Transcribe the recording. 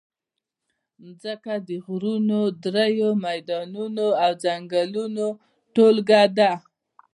مځکه د غرونو، دریو، میدانونو او ځنګلونو ټولګه ده.